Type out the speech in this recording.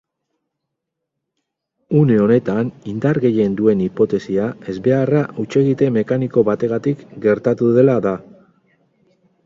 Une honetan indar gehien duen hipotesia ezbeharra hutsegite mekaniko bategatik gertatu dela da.